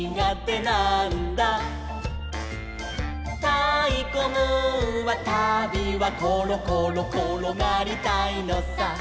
「たいこムーンはたびはころころころがりたいのさ」